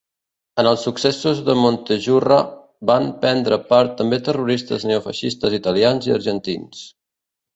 En els successos de Montejurra van prendre part també terroristes neofeixistes italians i argentins.